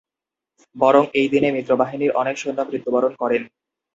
বরং এই দিনে মিত্রবাহিনীর অনেক সৈন্য মৃত্যুবরণ করেন।